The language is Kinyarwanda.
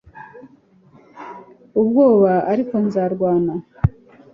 ubwoba ariko nzarwana